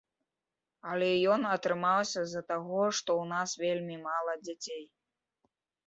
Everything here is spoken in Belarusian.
Але ён атрымаўся з-за таго, што ў нас вельмі мала дзяцей.